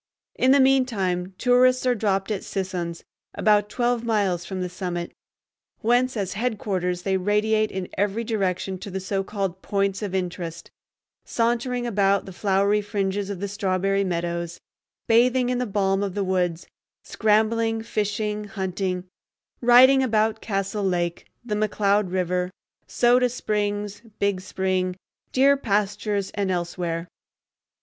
In the mean time tourists are dropped at Sisson's, about twelve miles from the summit, whence as headquarters they radiate in every direction to the so called "points of interest"; sauntering about the flowery fringes of the Strawberry Meadows, bathing in the balm of the woods, scrambling, fishing, hunting; riding about Castle Lake, the McCloud River, Soda Springs, Big Spring, deer pastures, and elsewhere.